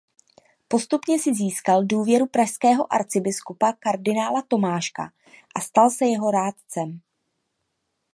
Postupně si získal důvěru pražského arcibiskupa kardinála Tomáška a stal se jeho rádcem.